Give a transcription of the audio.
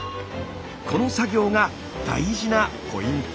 この作業が大事なポイント。